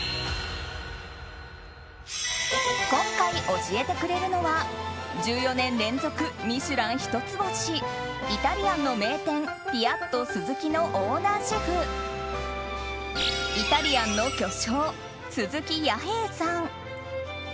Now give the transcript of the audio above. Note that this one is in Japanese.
今回、教えてくれるのは１４年連続「ミシュラン」一つ星イタリアンの名店ピアットスズキのオーナーシェフイタリアンの巨匠鈴木弥平さん。